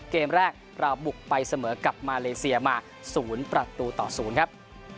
เกมแรกเราบุกไปเสมอกับมาเลเซียมา๐ประตูต่อ๐ครับ